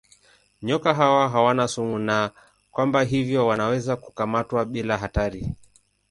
Nyoka hawa hawana sumu na kwa hivyo wanaweza kukamatwa bila hatari.